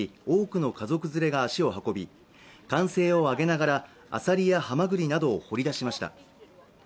多くの家族連れが足を運び歓声を上げながらアサリやハマグリなどを掘り出しました